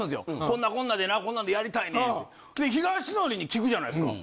こんなこんなでなこんなんでやりたいねん。でひがしのりに聞くじゃないですか。